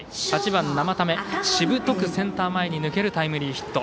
８番、生田目しぶとくセンター前に抜けるタイムリーヒット。